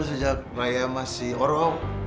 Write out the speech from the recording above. sejak raya masih orang